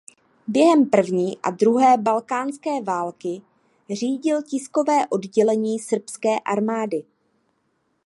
Během první a druhé balkánské války řídil tiskové oddělení srbské armády.